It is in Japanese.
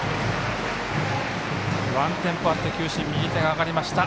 ワンテンポあって球審右手が上がりました。